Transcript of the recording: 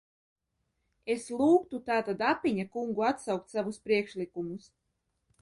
Es lūgtu tātad Apiņa kungu atsaukt savus priekšlikumus.